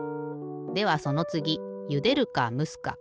ではそのつぎゆでるかむすか。